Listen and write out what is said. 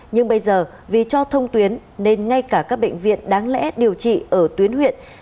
nhưng bây giờ vì cho thông tuyến nên ngay cả các bệnh viện đáng lẽ điều trị ở tuyến huyện